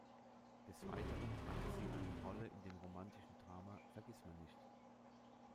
Des Weiteren hatte sie eine Rolle in dem romantischen Drama "Vergiss mein nicht!